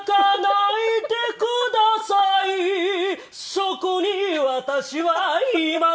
「そこに私はいません」